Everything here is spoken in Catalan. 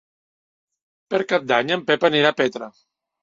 Per Cap d'Any en Pep anirà a Petra.